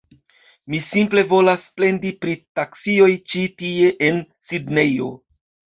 Mi simple volas plendi pri taksioj ĉi tie en Sidnejo.